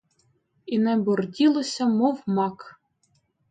І небо рділося, мов мак.